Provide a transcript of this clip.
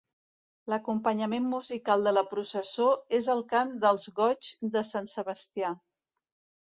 L'acompanyament musical de la processó és el cant dels goigs de Sant Sebastià.